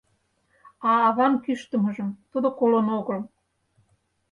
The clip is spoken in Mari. А аван кӱштымыжым тудо колын огыл...